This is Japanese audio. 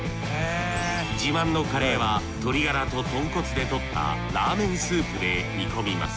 自慢のカレーは鶏ガラと豚骨でとったラーメンスープで煮込みます